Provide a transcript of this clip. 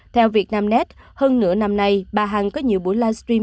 theo việt nam net hơn nửa năm nay bà hằng có nhiều buổi live stream